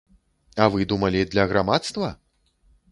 А вы думалі, для грамадства?